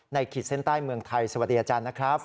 ขีดเส้นใต้เมืองไทยสวัสดีอาจารย์นะครับ